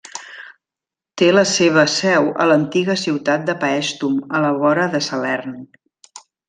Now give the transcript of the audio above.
Té la seva seu a l'antiga ciutat de Paestum, a la vora de Salern.